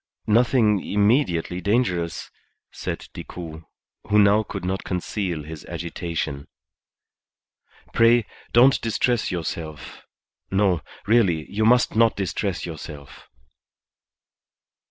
"Nothing immediately dangerous," said Decoud, who now could not conceal his agitation. "Pray don't distress yourself. No, really, you must not distress yourself."